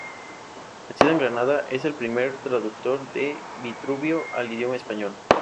Nacido en Granada, es el primer traductor de Vitruvio al idioma español.